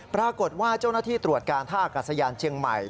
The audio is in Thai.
ปรากฏว่าเจ้าหน้าที่ตรวจการท่าอากาศยานเชียงใหม่